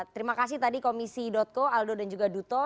terima kasih tadi komisi co aldo dan juga duto